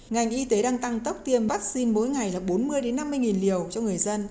ngành y tế đang tăng tốc tiêm vaccine mỗi ngày là bốn mươi năm mươi liều cho người dân